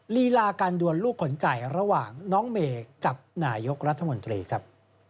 ลีลาการดวนลูกขนไก่ระหว่างน้องเมย์กับนายกรัฐมนตรีครับ